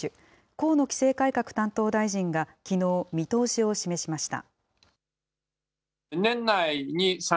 河野規制改革担当大臣がきのう、見通しを示しました。